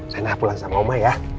rena pulang sama om baik ya